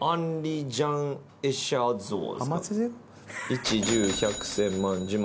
一十百千万十万。